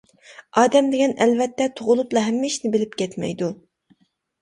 ئادەم دېگەن ئەلۋەتتە تۇغۇلۇپلا ھەممە ئىشنى بىلىپ كەتمەيدۇ.